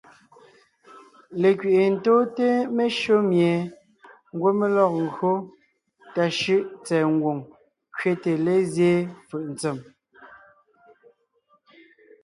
Lekẅi’i tóonte meshÿó mie ńgwɔ́ mé lɔg ńgÿo tà shʉ́ʼ tsɛ̀ɛ ngwòŋ kẅete lézyéen fʉʼ ntsèm.